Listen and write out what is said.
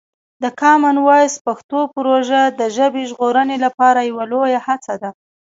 د کامن وایس پښتو پروژه د ژبې ژغورنې لپاره یوه لویه هڅه ده.